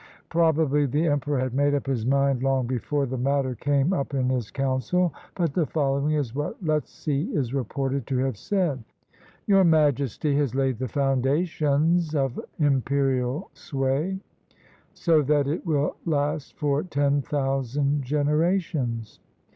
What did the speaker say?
[Probably the emperor had made up his mind long before the matter came up in his council, but the following is what Lesze is reported to have said :] "Your Majesty has laid the foundations of imperial sway, so that it will last for ten thousand generations.